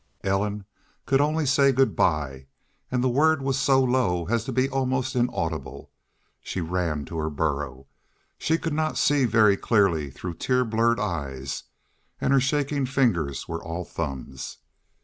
Ellen could only say good by and the word was so low as to be almost inaudible. She ran to her burro. She could not see very clearly through tear blurred eyes, and her shaking fingers were all thumbs.